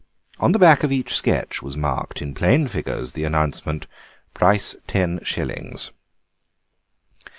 On the back of each sketch was marked in plain figures the announcement "Price ten shillings."